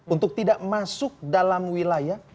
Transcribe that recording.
untuk tidak masuk dalam wilayah